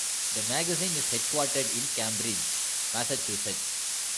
The magazine is headquartered in Cambridge, Massachusetts.